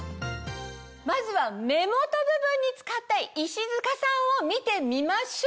まずは目元部分に使った石塚さんを見てみましょう。